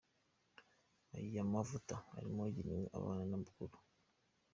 Aya mavuta arimo agenewe abana n’ay’abakuru.